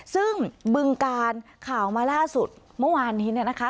ซึ่งบึงการข่าวมาล่าสุดเมื่อวานนี้เนี่ยนะคะ